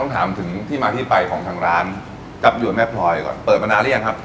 ถามถึงที่มาที่ไปของทางร้านจับยวนแม่พลอยก่อนเปิดมานานหรือยังครับ